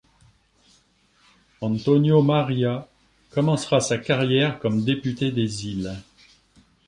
António Maria commencera sa carrière comme député des îles.